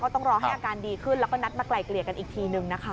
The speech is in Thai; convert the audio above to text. ต้องรอให้อาการดีขึ้นแล้วก็นัดมาไกลเกลี่ยกันอีกทีนึงนะคะ